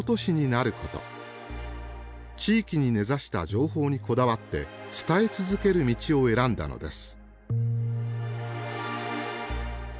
地域に根ざした情報にこだわって伝え続ける道を選んだのです。